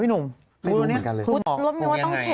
พี่หนุ่มพูดถึงตอนนี้ล้มอยู่ว่าต้องเช็คนะ